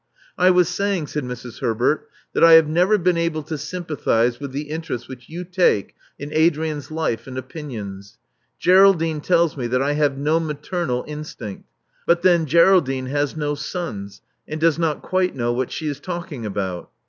I was saying,'* said Mrs. Herbert, "that I have never been able to sympathize with the interest whicl you take in Adrian's life and opinions. Geraldinc tells me that I have no maternal instinct; but thei Geraldine has no sons, and does not quite know whai she it talking about.